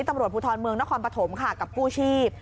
ตำรวจภูทรเมืองนครปฐมค่ะกับกู้ชีพ